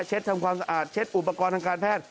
ทำความสะอาดเช็ดอุปกรณ์ทางการแพทย์